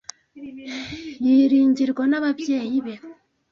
Yiringirwa n'ababyeyi be.